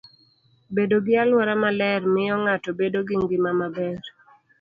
Bedo gi alwora maler miyo ng'ato bedo gi ngima maber.